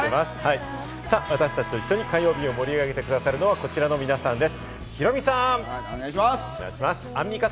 私たちと一緒に火曜日を盛り上げてくださるのはこちらの皆さんです。